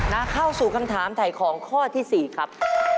เข้าสู่คำถามถ่ายของข้อที่๔ครับ